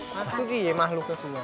masuk iya mahluknya semua